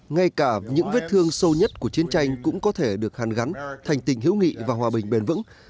ngay cả những vết thương sâu nhất của chiến tranh cũng có thể được hàn gắn thành tình hữu nghị và hòa bình bền vững